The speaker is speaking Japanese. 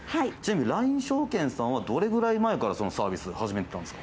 ＬＩＮＥ証券さんはどれくらい前からそのサービスを始めてたんですか？